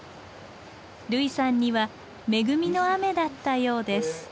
類さんには恵みの雨だったようです。